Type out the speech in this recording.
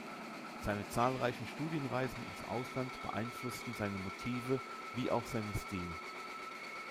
Seine zahlreichen Studienreisen ins Ausland beeinflussten seine Motive wie auch seinen Stil.